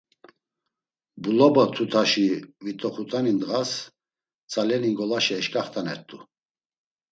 Buloba tutaşi vit̆oxutani ndğas Tzaleni ngolaşa eşǩaxt̆anert̆u.